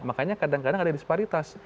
makanya kadang kadang ada disparitas